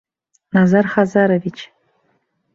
Назар Хазарович!